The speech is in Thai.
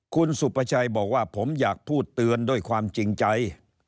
คุณสุประชัยบอกว่าผมอยากพูดเตือนด้วยความจริงใจ